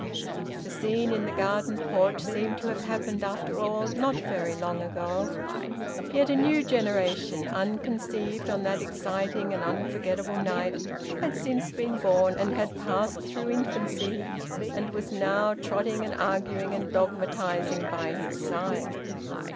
The scene in the garden porch seemed to have happened after all not very long ago. Yet a new generation, unconceived on that exciting and unforgettable night, had since been born and had passed through infancy and was now trotting and arguing and dogmatising by his side.